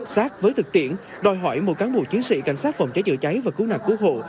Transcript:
sát với thực tiễn đòi hỏi một cán bộ chiến sĩ cảnh sát phòng cháy chữa cháy và cứu nạn cứu hộ